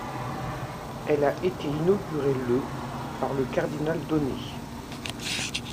Elle a été inaugurée le par le cardinal Donnet.